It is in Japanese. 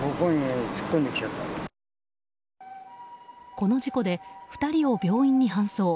この事故で２人を病院に搬送。